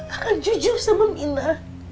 akan jujur sama mila